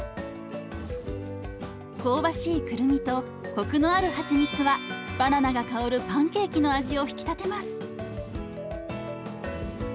香ばしいくるみとコクのあるはちみつはバナナが香るパンケーキの味を引き立てます。